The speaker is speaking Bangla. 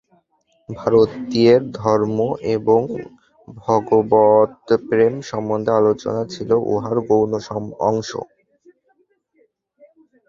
ভারতীয়ের ধর্ম এবং ভগবৎপ্রেম সম্বন্ধে আলোচনা ছিল উহার গৌণ অংশ।